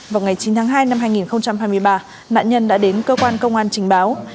vào ngày chín tháng hai năm hai nghìn hai mươi ba nạn nhân đã đến cơ quan công an trình báo